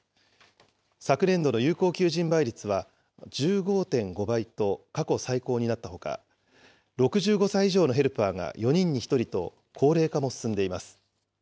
昨年度の有効求人倍率は１５．５倍と過去最高になったほか、６５歳以上のヘルパーが４人に１人と高齢化も進んでいます。